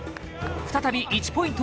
再び１ポイント